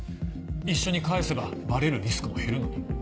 一緒に返せばバレるリスクも減るのに。